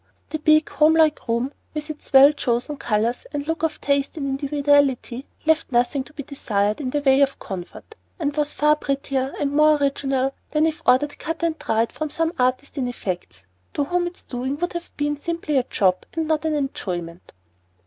The big, homelike room, with its well chosen colors and look of taste and individuality, left nothing to be desired in the way of comfort, and was far prettier and more original than if ordered cut and dried from some artist in effects, to whom its doing would have been simply a job and not an enjoyment.